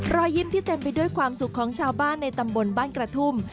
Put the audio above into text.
รอยยิ้มที่เต็มไปด้วยความสุขของชาวบ้านในตำบลบ้านกระทุ่ม